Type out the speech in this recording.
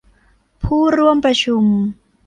ผู้ร่วมประชุม